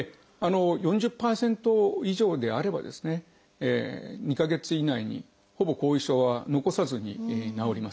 ４０％以上であれば２か月以内にほぼ後遺症は残さずに治ります。